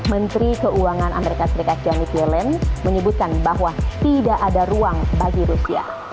menteri keuangan amerika serikat johnny kiellen menyebutkan bahwa tidak ada ruang bagi rusia